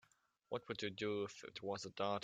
What would you do if it was a daughter?